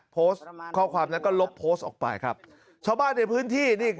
โพสต์ข้อความแล้วก็ลบโพสต์ออกไปครับชาวบ้านในพื้นที่นี่